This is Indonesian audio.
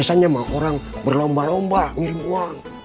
biasanya mah orang berlomba lomba ngirim uang